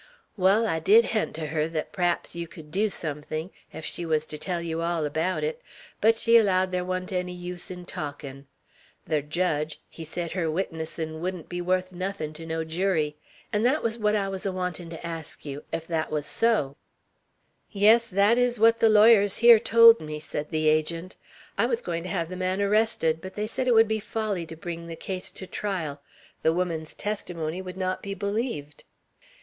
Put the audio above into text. "Wall, I did hent ter her thet p'raps yer could dew something, ef she wuz ter tell yer all abaout it; but she allowed thar wa'n't enny use in talkin'. Ther jedge, he sed her witnessin' wouldn't be wuth nuthin' to no jury; 'n' thet wuz what I wuz a wantin' to ask yeow, ef thet wuz so." "Yes, that is what the lawyers here told me," said the Agent. "I was going to have the man arrested, but they said it would be folly to bring the case to trial. The woman's testimony would not be believed."